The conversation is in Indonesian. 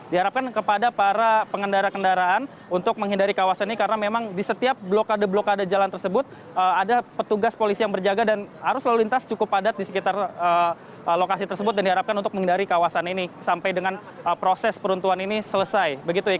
diharapkan kepada para pengendara kendaraan untuk menghindari kawasan ini karena memang di setiap blokade blokade jalan tersebut ada petugas polisi yang berjaga dan arus lalu lintas cukup padat di sekitar lokasi tersebut dan diharapkan untuk menghindari kawasan ini sampai dengan proses peruntuhan ini selesai